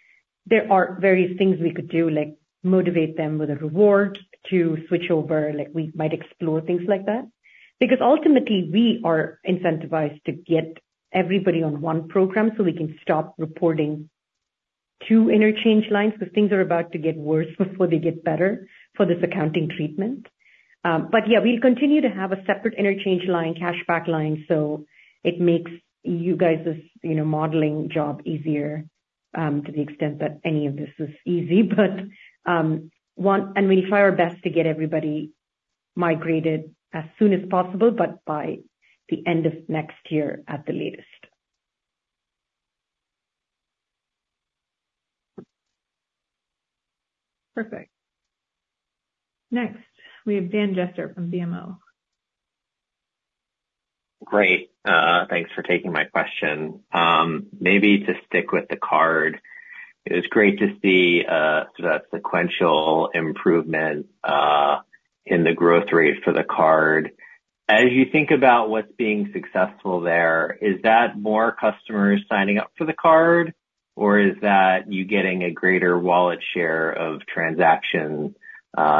there are various things we could do, like motivate them with a reward to switch over. Like, we might explore things like that. Because ultimately, we are incentivized to get everybody on one program, so we can stop reporting two interchange lines, because things are about to get worse before they get better for this accounting treatment. But yeah, we'll continue to have a separate interchange line, cashback line, so it makes you guys', you know, modeling job easier, to the extent that any of this is easy. But we'll try our best to get everybody migrated as soon as possible, but by the end of next year at the latest. Perfect. Next, we have Dan Jester from BMO. Great. Thanks for taking my question. Maybe to stick with the card, it's great to see sort of sequential improvement in the growth rate for the card. As you think about what's being successful there, is that more customers signing up for the card, or is that you getting a greater wallet share of transactions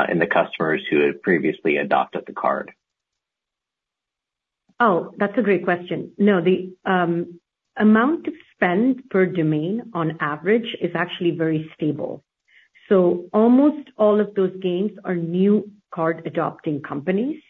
in the customers who had previously adopted the card? Oh, that's a great question. No, the amount of spend per domain on average is actually very stable. So almost all of those gains are new card adopting companies.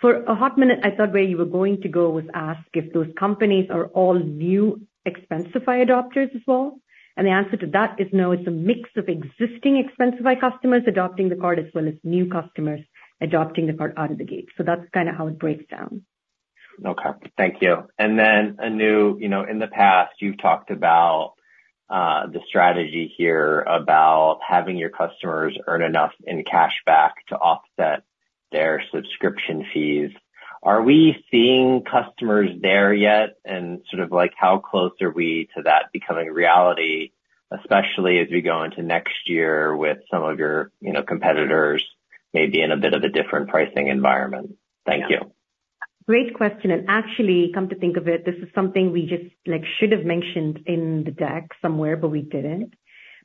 For a hot minute, I thought where you were going to go was ask if those companies are all new Expensify adopters as well, and the answer to that is no. It's a mix of existing Expensify customers adopting the card, as well as new customers adopting the card out of the gate. So that's kind of how it breaks down.... Okay, thank you. And then, Anu, you know, in the past, you've talked about the strategy here, about having your customers earn enough in cashback to offset their subscription fees. Are we seeing customers there yet? And sort of like, how close are we to that becoming a reality, especially as we go into next year with some of your, you know, competitors may be in a bit of a different pricing environment? Thank you. Great question. Actually, come to think of it, this is something we just, like, should have mentioned in the deck somewhere, but we didn't.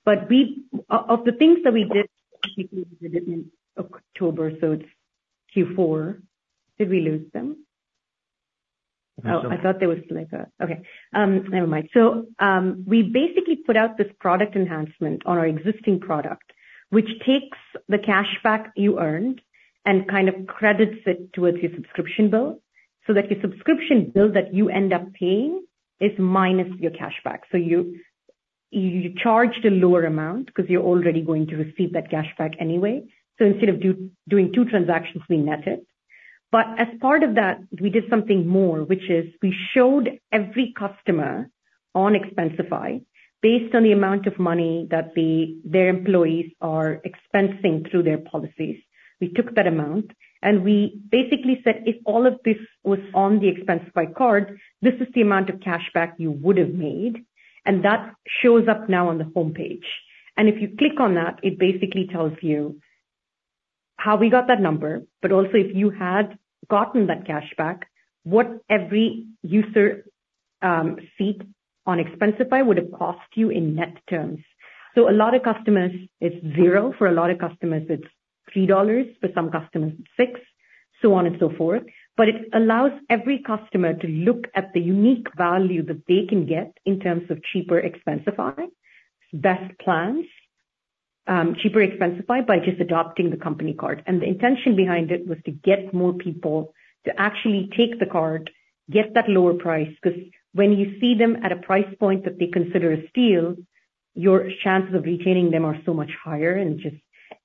Of the things that we did in October, so it's Q4. Did we lose them? Oh, I thought there was like a... Okay, never mind. So, we basically put out this product enhancement on our existing product, which takes the cashback you earned and kind of credits it towards your subscription bill, so that your subscription bill that you end up paying is minus your cashback. So you, you charge the lower amount because you're already going to receive that cashback anyway. So instead of doing two transactions, we net it. But as part of that, we did something more, which is we showed every customer on Expensify, based on the amount of money that their employees are expensing through their policies. We took that amount, and we basically said, "If all of this was on the Expensify Card, this is the amount of cashback you would have made," and that shows up now on the homepage. And if you click on that, it basically tells you how we got that number. But also, if you had gotten that cashback, what every user seat on Expensify would have cost you in net terms. So a lot of customers, it's $0. For a lot of customers, it's $3, for some customers, it's $6, so on and so forth. But it allows every customer to look at the unique value that they can get in terms of cheaper Expensify, best plans, cheaper Expensify by just adopting the company card. And the intention behind it was to get more people to actually take the card, get that lower price, because when you see them at a price point that they consider a steal, your chances of retaining them are so much higher. And just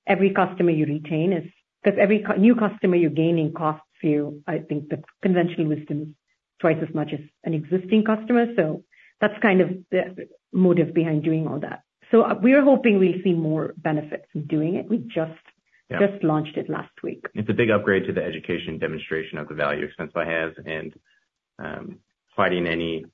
every customer you retain is - because every new customer you're gaining costs you, I think the conventional wisdom is twice as much as an existing customer. So that's kind of the motive behind doing all that. So we are hoping we'll see more benefits from doing it. We just- Yeah. Just launched it last week. It's a big upgrade to the education demonstration of the value Expensify has and fighting any, you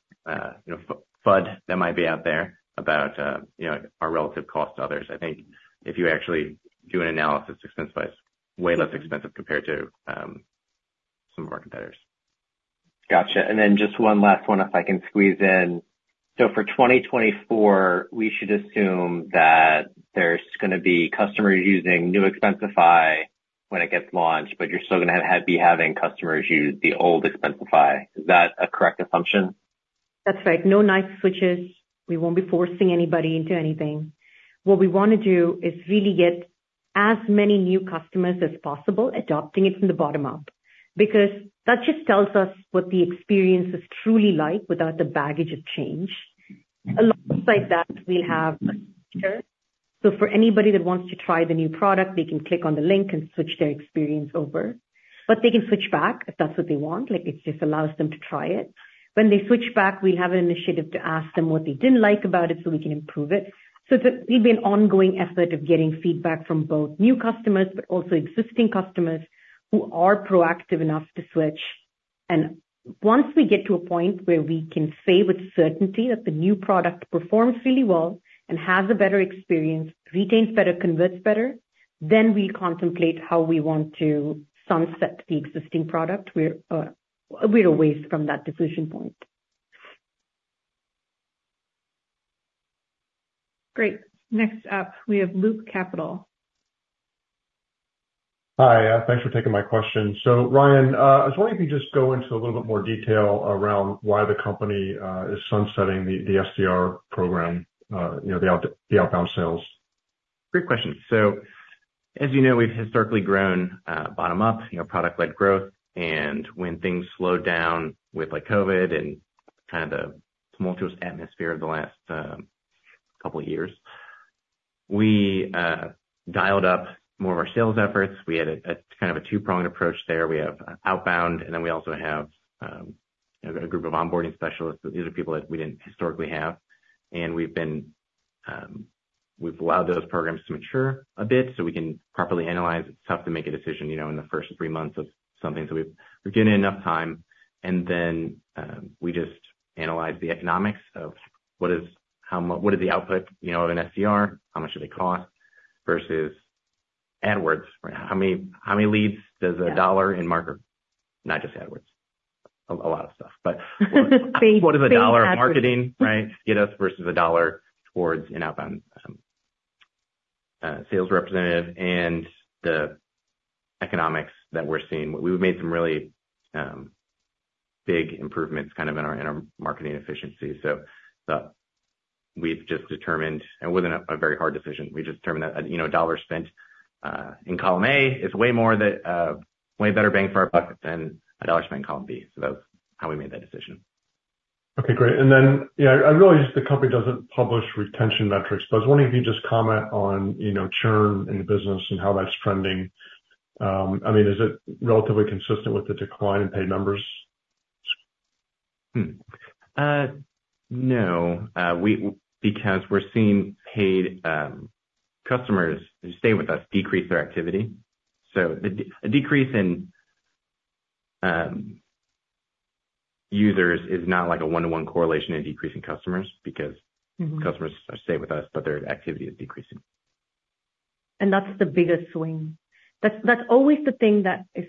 know, FUD that might be out there about, you know, our relative cost to others. I think if you actually do an analysis, Expensify is way less expensive compared to some of our competitors. Gotcha. And then just one last one, if I can squeeze in. So for 2024, we should assume that there's gonna be customers using new Expensify when it gets launched, but you're still gonna have, be having customers use the old Expensify. Is that a correct assumption? That's right. No knife switches. We won't be forcing anybody into anything. What we wanna do is really get as many new customers as possible, adopting it from the bottom up, because that just tells us what the experience is truly like without the baggage of change. Alongside that, we have... So for anybody that wants to try the new product, they can click on the link and switch their experience over, but they can switch back if that's what they want. Like, it just allows them to try it. When they switch back, we have an initiative to ask them what they didn't like about it, so we can improve it. So it's an ongoing effort of getting feedback from both new customers but also existing customers who are proactive enough to switch. Once we get to a point where we can say with certainty that the new product performs really well and has a better experience, retains better, converts better, then we contemplate how we want to sunset the existing product. We're, we're a ways from that decision point. Great. Next up, we have Luke Capital. Hi, thanks for taking my question. So, Ryan, I was wondering if you could just go into a little bit more detail around why the company is sunsetting the SDR program, you know, the outbound sales? Great question. So as you know, we've historically grown bottom up, you know, product-led growth. And when things slowed down with, like, COVID and kind of the tumultuous atmosphere of the last couple of years, we dialed up more of our sales efforts. We had a kind of two-pronged approach there. We have outbound, and then we also have a group of onboarding specialists. These are people that we didn't historically have, and we've been, we've allowed those programs to mature a bit so we can properly analyze. It's tough to make a decision, you know, in the first three months of something. So we've given it enough time, and then we just analyze the economics of what is what is the output, you know, of an SDR? How much do they cost versus AdWords? How many leads does $1 in marketing—Not just AdWords, a lot of stuff. But what does $1 of marketing, right, get us versus $1 towards an outbound sales representative and the economics that we're seeing? We've made some really big improvements kind of in our marketing efficiency. So we've just determined, it wasn't a very hard decision. We just determined that, you know, $1 spent in column A is way more than way better bang for our buck than $1 spent in column B. So that's how we made that decision. Okay, great. And then, you know, I realize the company doesn't publish retention metrics, but I was wondering if you could just comment on, you know, churn in the business and how that's trending. I mean, is it relatively consistent with the decline in paid numbers? No, because we're seeing paid customers who stay with us decrease their activity. So, a decrease in users is not like a 1:1 correlation in decreasing customers, because- Mm-hmm Customers stay with us, but their activity is decreasing. That's the biggest swing. That's always the thing that is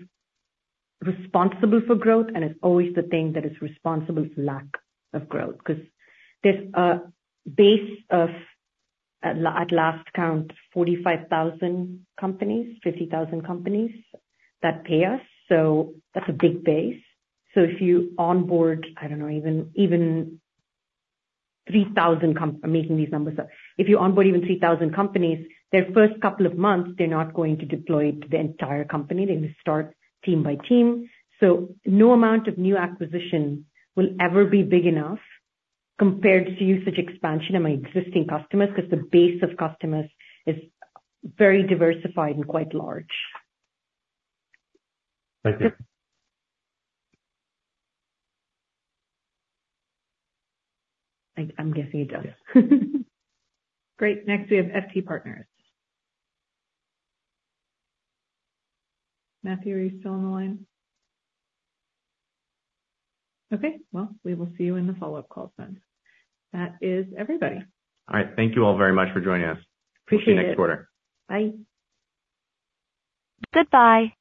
responsible for growth, and it's always the thing that is responsible for lack of growth. Because there's a base of, at last count, 45,000 companies, 50,000 companies that pay us. So that's a big base. So if you onboard, I don't know, even 3,000 – I'm making these numbers up. If you onboard even 3,000 companies, their first couple of months, they're not going to deploy it to the entire company. They start team by team. So no amount of new acquisition will ever be big enough compared to usage expansion of my existing customers, because the base of customers is very diversified and quite large. Thank you. I'm guessing it does. Great. Next, we have FT Partners. Matthew, are you still on the line? Okay, well, we will see you in the follow-up call then. That is everybody. All right. Thank you all very much for joining us. Appreciate it. See you next quarter. Bye. Goodbye.